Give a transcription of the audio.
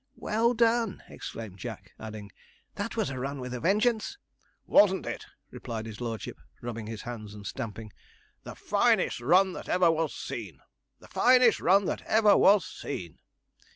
'Well done!' exclaimed Jack, adding, 'that was a run with a vengeance!' 'Wasn't it?' replied his lordship, rubbing his hands and stamping; 'the finest run that ever was seen the finest run that ever was seen!'